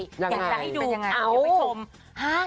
อยากจะให้ดู